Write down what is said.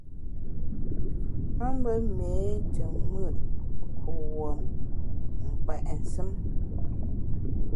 A mbe méé te mùt kuwuom, m’ nkpèt nsùm.